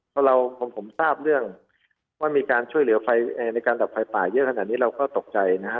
เพราะเราผมทราบเรื่องว่ามีการช่วยเหลือไฟในการดับไฟป่าเยอะขนาดนี้เราก็ตกใจนะฮะ